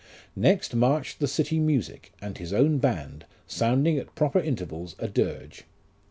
2 Next marched the city music, and his own band, sounding at proper intervals a dirge.